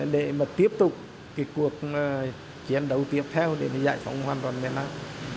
để mà tiếp tục cái cuộc chiến đấu tiếp theo để giải phóng hoàn toàn miền nam